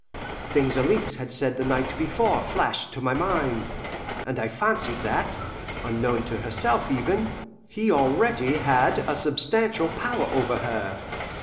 Things Alixe had said the night before flashed to my mind, and I fancied that, unknown to herself even, he already had a substantial power over her.